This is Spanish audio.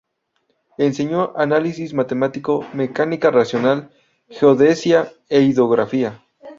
Enseñó Análisis Matemático, Mecánica Racional, Geodesia e Hidrografía.